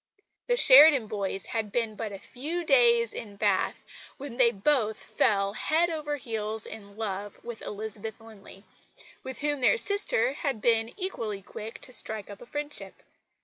The Sheridan boys had been but a few days in Bath when they both fell head over heels in love with Elizabeth Linley, with whom their sister had been equally quick to strike up a friendship.